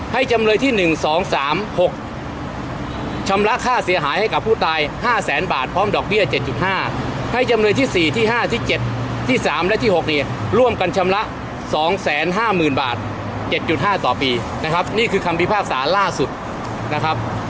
ให้จำเลยที่สี่ที่ห้าที่เจ็ดที่สามและที่หกเนี่ยร่วมกันชำระสองแสนห้าหมื่นบาทเจ็ดจุดห้าต่อปีนะครับนี่คือคำพิพากษาล่าสุดนะครับ